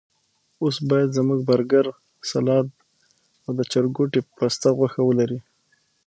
اوس باید زموږ برګر، سلاد او د چرګوټي پسته غوښه ولري.